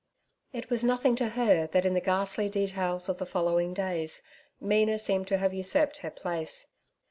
It was nothing to her that in the ghastly details of the following days Mina seemed to have usurped her place.